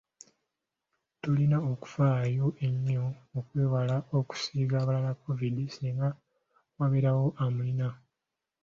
Tulina okufayo enyo okwewala okusiiga abalala Covid singa wabeerawo amulina.